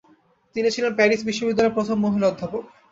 তিনি ছিলেন প্যারিস বিশ্ববিদ্যালয়ের প্রথম মহিলা অধ্যাপক।